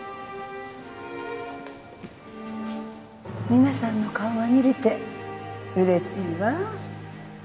皆さんの顔が見れてうれしいわ。